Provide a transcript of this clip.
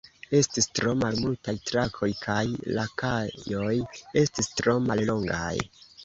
Estis tro malmultaj trakoj kaj la kajoj estis tro mallongaj.